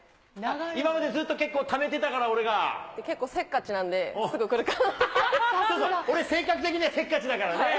今までずっとためてたから、結構せっかちなんで、すぐくそうそうそう、俺、性格的にはせっかちだからね。